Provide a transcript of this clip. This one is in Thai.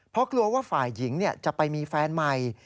เพราะกลัวว่าฝ่ายหญิงจะไปมีแฟนใหม่